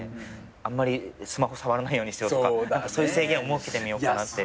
あんまりスマホ触らないようにしようとかそういう制限を設けてみようかなって。